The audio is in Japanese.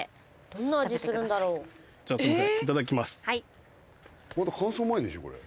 まだ乾燥前でしょこれ。